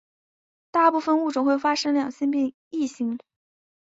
大部份物种会发生两性异形。